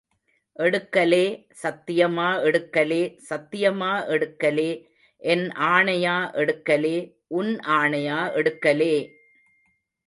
எடுக்கலே!, சத்தியமா எடுக்கலே!, சத்தியமா எடுக்கலே!, என் ஆணையா எடுக்கலே!, உன் ஆணையா எடுக்கலே!